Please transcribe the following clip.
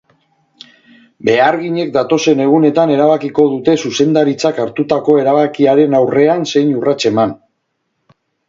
Beharginek datozen egunetan erabakiko dute zuzendaritzak hartutako erabakiaren aurrean zein urrats eman.